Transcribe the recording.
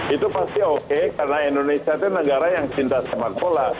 itu pasti oke karena indonesia itu negara yang cinta sepak bola